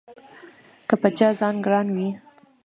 که په چا ځان ګران وي